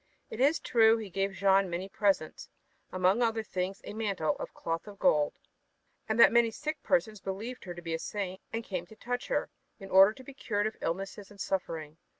It is true that he gave Jeanne many presents, among other things a mantle of cloth of gold; and that many sick persons believed her to be a saint and came to touch her, in order to be cured of illness and suffering.